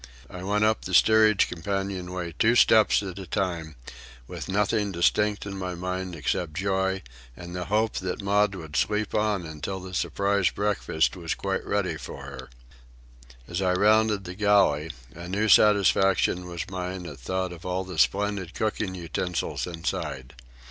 I went up the steerage companion way two steps at a time, with nothing distinct in my mind except joy and the hope that Maud would sleep on until the surprise breakfast was quite ready for her. As I rounded the galley, a new satisfaction was mine at thought of all the splendid cooking utensils inside.